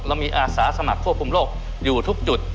เรามีอาสาสมัครควบคุมโรคอยู่ทุกจุด